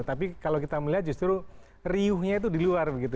tapi kalau kita melihat justru riuhnya itu di luar begitu